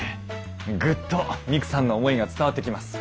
グッとミクさんの思いが伝わってきます。